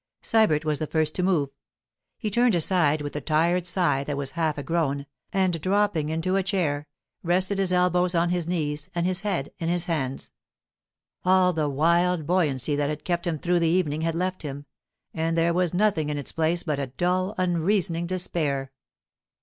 Sybert was the first to move. He turned aside with a tired sigh that was half a groan, and dropping into a chair, rested his elbows on his knees and his head in his hands. All the wild buoyancy that had kept him through the evening had left him, and there was nothing in its place but a dull, unreasoning despair.